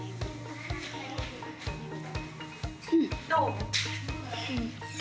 どう？